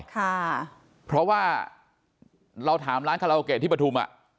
ค่ะเพราะว่าเราถามร้านคาราโอเกะที่ปฐุมอ่ะ